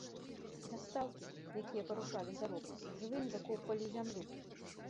Вясталкі, якія парушалі зарок, жывымі закопвалі ў зямлю.